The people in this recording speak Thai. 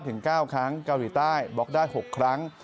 ถึง๙ครั้งเกาหลีใต้บล็อกได้๖ครั้ง